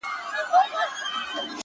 جواب دي راکړ خپل طالع مي ژړوینه؛